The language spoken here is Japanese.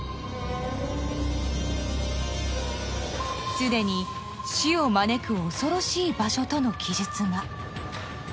［すでに「死を招く恐ろしい場所」との記述が］